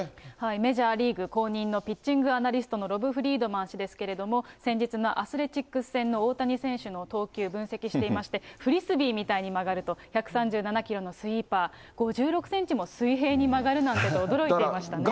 メジャーリーグ公認のピッチングアナリストのロブ・フリードマン氏ですけれども、先日のアスレチックス戦の大谷選手の投球、分析していて、フリスビーみたいに曲がると、１３７キロのスイーパー、５６センチも水平に曲がるなんてと、驚いていましたねい。